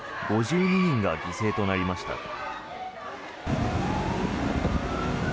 ５２人が犠牲となりました。